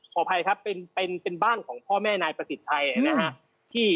ขออภัยครับเป็นบ้านของพ่อแม่นายประสิทธิ์ชัยนะฮะ